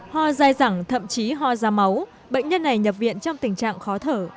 ho dài dẳng thậm chí ho ra máu bệnh nhân này nhập viện trong tình trạng khó thở